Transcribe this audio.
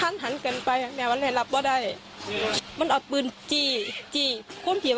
อายุ๑๐ปีนะฮะเขาบอกว่าเขาก็เห็นถูกยิงนะครับ